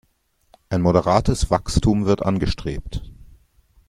Ein moderates Wachstum wird angestrebt.